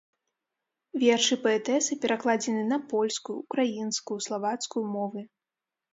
Вершы паэтэсы перакладзены на польскую, украінскую, славацкую мовы.